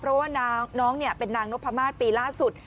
เพราะว่าน้องเป็นนางนพมาศปีล่าสุด